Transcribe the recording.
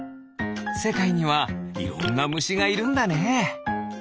せかいにはいろんなむしがいるんだね。